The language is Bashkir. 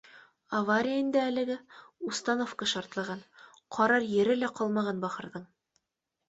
Авария инде әлеге, установка шартлаған, ҡарар ере лә ҡалмаған бахырҙың